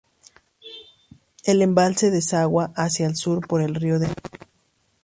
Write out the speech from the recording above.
El embalse desagua hacia el sur por el río de Nuria.